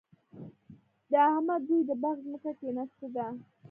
د احمد دوی د باغ ځمکه کېنستې ده.